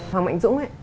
hoàng mạnh dũng